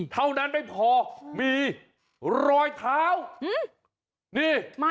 เท่านั้นไม่พอมีรอยเท้านี่